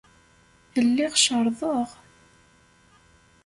Lliɣ cerrḍeɣ.